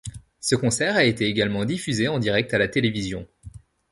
Ce concert a été également diffusé en direct à la télévision.